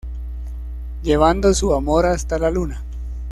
Llevando su amor hasta la luna